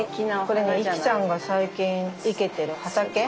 これねゆきちゃんが最近生けてる畑。